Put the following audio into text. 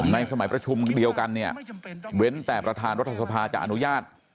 ในสมัยประชุมเดียวกันเนี่ยเว้นแต่ประธานรัฐสภาจะอนุญาต